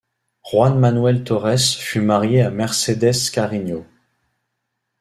Juan Manuel Torres fut marié à Mercedes Carreño.